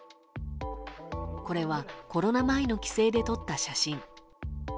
これはコロナ前の帰省で撮った写真。